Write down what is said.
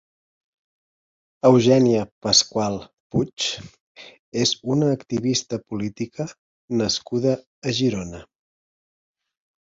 Eugènia Pascual Puig és una activista política nascuda a Girona.